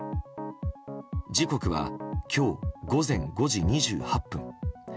時刻は今日午前５時２８分。